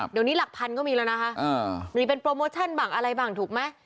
เดี๋ยวนี้หลักพันก็มีแล้วนะคะมีเป็นโปรโมชั่นบ้างอะไรบ้างถูกไหม